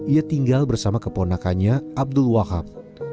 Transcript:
ia tinggal bersama keponakannya abdul wahab